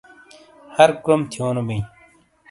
ہر کرم تھیونو بئیں